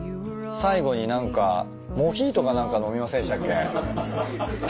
最後に何かモヒートか何か飲みませんでしたっけ？